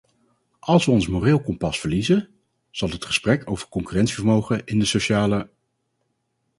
Als we ons moreel kompas verliezen, zal het gesprek over concurrentievermogen in de sociale...